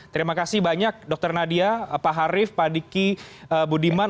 terima kasih banyak dr nadia pak harif pak diki bu diman